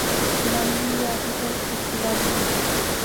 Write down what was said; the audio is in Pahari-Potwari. غلام علی ایہہ آخی تہ اٹھی باہر گیا